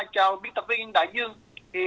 chào biên tập viên đại dương